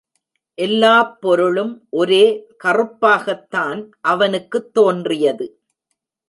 எல்லாப் பொருளும் ஒரே கறுப்பாகத் தான் அவனுக்குத் தோன்றியது.